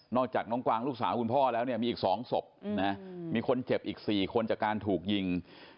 อกจากน้องกวางลูกสาวคุณพ่อแล้วเนี่ยมีอีก๒ศพมีคนเจ็บอีก๔คนจากการถูกยิง